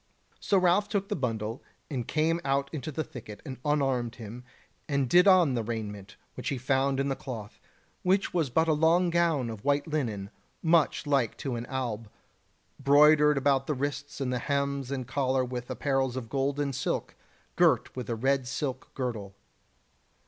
So Ralph took the bundle, and came out into the thicket and unarmed him, and did on the raiment which he found in the cloth, which was but a long gown of white linen, much like to an alb, broidered about the wrists and the hems and collar with apparels of gold and silk, girt with a red silk girdle.